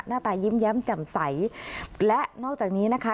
หน้าตายิ้มแย้มแจ่มใสและนอกจากนี้นะคะ